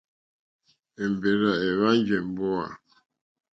Èmbèrzà èhwánjì èmbówà.